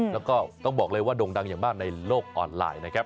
แล้วก็ต้องบอกเลยว่าโด่งดังอย่างมากในโลกออนไลน์นะครับ